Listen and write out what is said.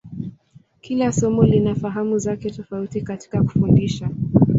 Kila somo lina fahamu zake tofauti katika kufundisha.